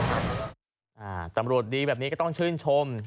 ตำรวจดีแบบนี้ก็ต้องชื่นชม